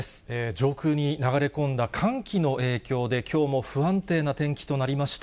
上空に流れ込んだ寒気の影響で、きょうも不安定な天気となりました。